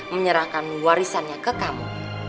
menyerahkan warisannya ke kamu